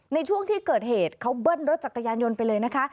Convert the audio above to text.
ในช่วงที่เกิดเหตุเขาเบิ้ลรถจักรยานยนต์ไปเลยนะคะ